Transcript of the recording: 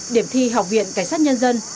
điểm thi học viện cảnh sát nhân dân